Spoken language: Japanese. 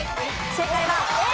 正解はＡ。